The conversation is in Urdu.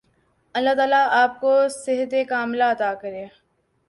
اللہ تعالی آپ کو صحت ِکاملہ عطا فرمائے۔